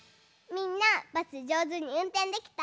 みんなバスじょうずにうんてんできた？